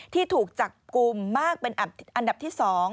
ที่ถูกจับกลุ่มมากเป็นอันดับที่๒